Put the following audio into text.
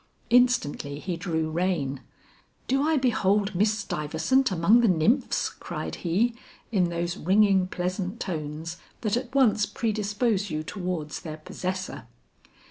Instantly he drew rein. "Do I behold Miss Stuyvesant among the nymphs!" cried he, in those ringing pleasant tones that at once predispose you towards their possessor.